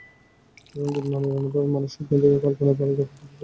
রঙিন মনের অনুভবে মানুষ স্বপ্ন দেখে, কল্পনায় পাড়ি দেয় প্রকৃতির ভুবনে।